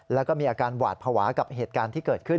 แล้วก็มีอาการหวาดภาวะกับเหตุการณ์ที่เกิดขึ้น